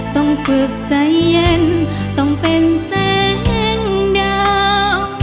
ต้องฝึกใจเย็นต้องเป็นแสงเดา